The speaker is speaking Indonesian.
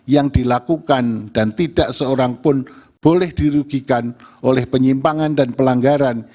yang dilakukan dan tidak seorang pun boleh dirugikan oleh penyimpangan dan pelanggaran